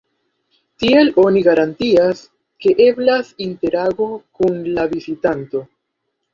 Tiel oni garantias, ke eblas interago kun la vizitanto.